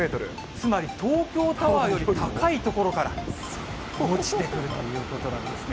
つまり東京タワーより高い所から落ちてくるということなんですね。